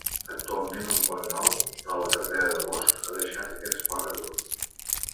Actualment un Pont Nou, de la carretera de bosc, ha deixat aquest fora d'ús.